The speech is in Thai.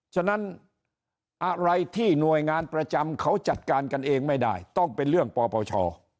ฉะนั้นอะไรที่หน่วยงานประจำเขาจัดการกันเองไม่ได้ต้องเป็นเรื่องปปช